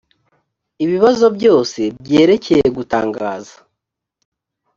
ibibazo byose byerekeye gutangaza